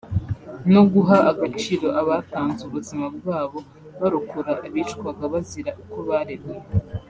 no guha agaciro abatanze ubuzima bwabo barokora abicwaga bazira uko baremwe